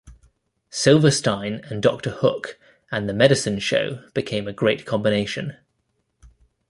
Silverstein and Doctor Hook and the Medicine Show became a great combination.